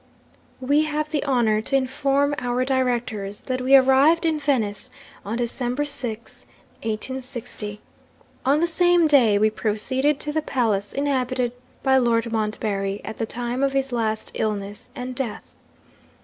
'We have the honour to inform our Directors that we arrived in Venice on December 6, 1860. On the same day we proceeded to the palace inhabited by Lord Montbarry at the time of his last illness and death.